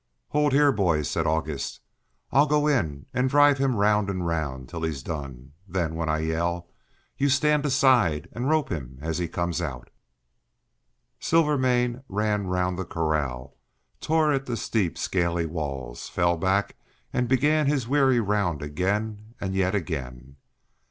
"Hold here, boys," said August. "I'll go in and drive him round and round till he's done, then, when I yell, you stand aside and rope him as he comes out." Silvermane ran round the corral, tore at the steep scaly walls, fell back and began his weary round again and yet again.